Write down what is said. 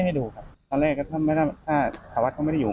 ให้ดูครับตอนแรกถ้าสวรรค์ก็ไม่ได้อยู่